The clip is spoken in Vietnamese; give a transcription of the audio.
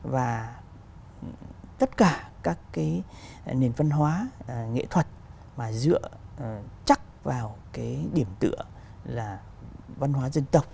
và tất cả các cái nền văn hóa nghệ thuật mà dựa chắc vào cái điểm tựa là văn hóa dân tộc